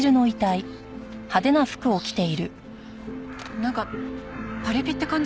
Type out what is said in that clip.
なんかパリピって感じ。